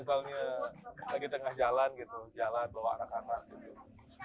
tapi kalau misalnya lagi tengah jalan gitu jalan bawa anak anak gitu